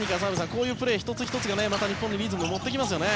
こういうプレー１つ１つがまた日本にリズムを持ってきますよね。